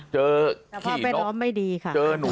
เจอขี่นกเจอหนูเจอนุ่น